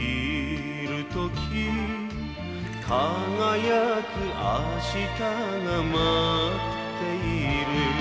「輝く明日が待っている」